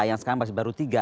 yang sekarang masih baru tiga